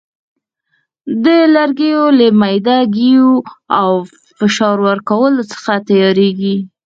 د لرګیو له میده ګیو او فشار ورکولو څخه تیاریږي.